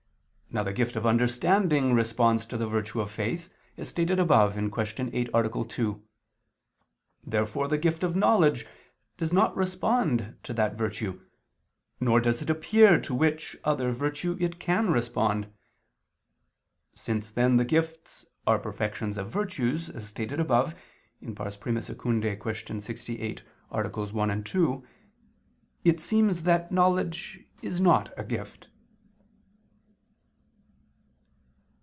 Now the gift of understanding responds to the virtue of faith, as stated above (Q. 8, A. 2). Therefore the gift of knowledge does not respond to that virtue, nor does it appear to which other virtue it can respond. Since, then, the gifts are perfections of virtues, as stated above (I II, Q. 68, AA. 1, 2), it seems that knowledge is not a gift.